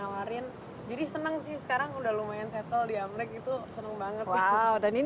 jadi senang sih sekarang udah lumayan settle di amerika itu senang banget